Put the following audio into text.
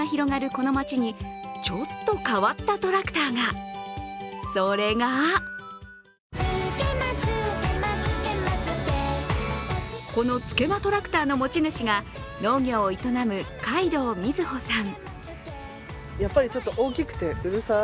この町に、ちょっと変わったトラクターが、それがこの、つけまトラクターの持ち主が農業を営む海道瑞穂さん。